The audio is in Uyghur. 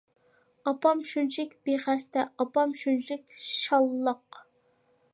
ئاپام شۇنچىلىك بىخەستە، ئاپام شۇنچىلىك شاللاق.